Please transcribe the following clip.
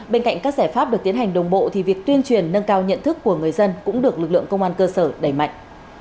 bên cạnh các giải pháp được tiến hành đồng bộ việc tuyên truyền nâng cao nhận thức của người dân cũng được lực lượng công an cơ sở đẩy mạnh